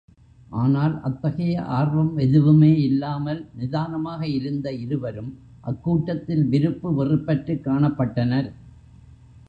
ஆனால் அத்தகைய ஆர்வம் எதுவுமே இல்லாமல் நிதானமாக இருந்த இருவரும் அக்கூட்டத்தில் விருப்பு வெறுப்பற்றுக் காணப்பட்டனர்.